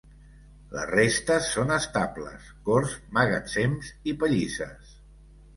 La resta són estables, corts, magatzems i pallisses.